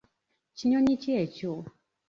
Kinyonyi ki ekyo?